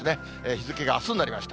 日付があすになりました、